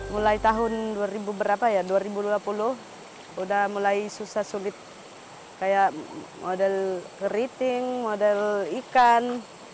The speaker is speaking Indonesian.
mulai tahun dua ribu berapa ya dua ribu dua puluh udah mulai susah sulit kayak model keriting model ikan